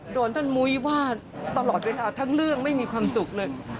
โดนท่านมุ้ยว่าตลอดเวลาทั้งเรื่องไม่มีความสุขเลย